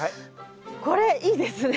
これいいですね。